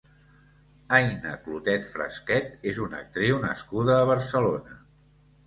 Aina Clotet Fresquet és una actriu nascuda a Barcelona.